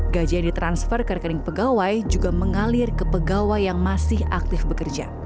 gaji yang ditransfer ke rekening pegawai juga mengalir ke pegawai yang masih aktif bekerja